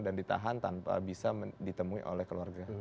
dan ditahan tanpa bisa ditemui oleh keluarga